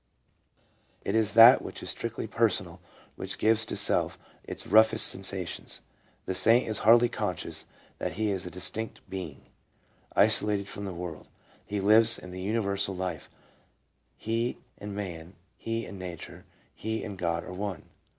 It is that which is strictly personal which gives to self its roughest sensations ; the saint is hardly conscious that he is a distinct being, iso lated from the world ; he lives in the universal life ; he and man, he and nature, he and God, are one.